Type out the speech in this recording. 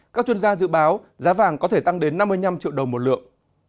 các chuyên gia dự báo giá vàng có thể tăng đến năm mươi năm triệu đồng một lượng